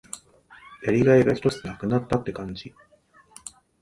やりがいがひとつ無くなったって感じ。